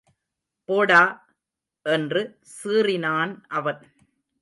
போடா!... என்று சீறினான் அவன்.